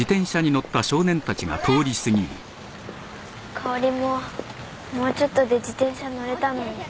かおりももうちょっとで自転車乗れたのに。